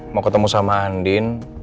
mau ketemu sama andin